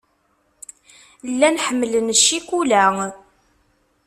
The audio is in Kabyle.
Llan ḥemmlen ccikula.